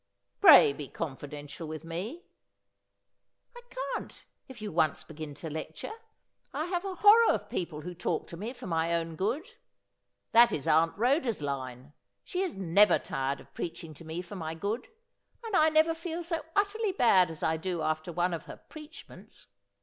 ' Pray be confidential with me.' ' I can't, if you once begin to lecture. I have a horror of 'And to the Dinner faste They hem Spedde.' 133 people who talk to me for my own good. That is Aunt Ehoda's line. She is never tired of preaching to me for my good, and I never feel so utterly bad as I do after one of her preachments.